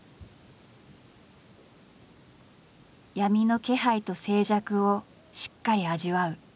闇の気配と静寂をしっかり味わう。